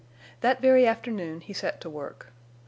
That very afternoon he set to work.